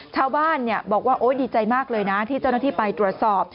ชาวบ้านบอกว่าโอ๊ยดีใจมากเลยนะที่เจ้าหน้าที่ไปตรวจสอบ